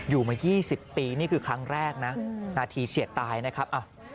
อยู่มา๒๐ปีนี่คือครั้งแรกนะนาทีเฉียดตายนะครับ